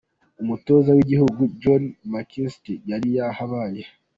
Umutoza w’Igihugu Johnny Makinstry yari ahabaye.